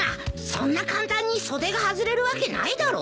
そんな簡単に袖が外れるわけないだろう。